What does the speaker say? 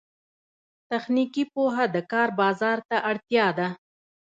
تخنیکي پوهه د کار بازار ته اړتیا ده